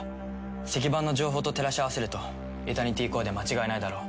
石板の情報と照らし合わせるとエタニティコアで間違いないだろう。